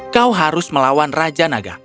kau harus melawan raja naga